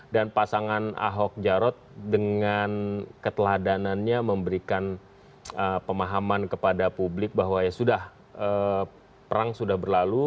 dan pasangan ahok jarot dengan keteladanannya memberikan pemahaman kepada publik bahwa ya sudah perang sudah berlalu